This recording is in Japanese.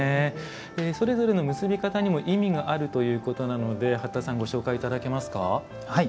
それぞれの結び方にも意味があるということなので八田さんご紹介頂けますか？